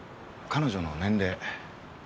彼女の年齢。